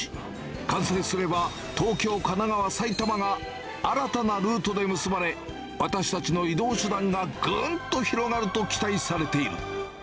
完成すれば、東京、神奈川、埼玉が新たなルートで結ばれ、私たちの移動手段がぐーんと広がると期待されている。